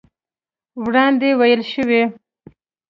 وړاندې ويل شوي